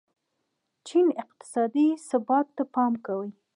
چین اقتصادي ثبات ته پام کوي.